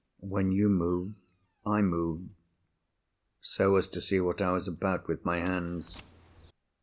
"When you moved, I moved." "So as to see what I was about with my hands?"